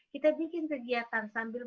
kita bikin kegiatan sambil